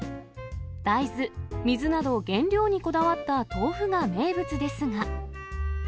大豆、水など、原料にこだわった豆腐が名物ですが。